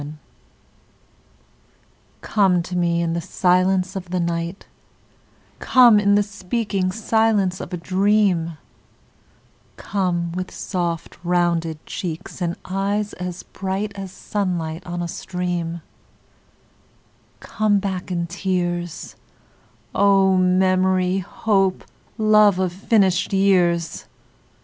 ECHO. Come to me in the silence of the night; Come in the speaking silence of a dream; Come with soft rounded cheeks and eyes as bright As sunlight on a stream; Come back in tears, O memory, hope, love of finished years.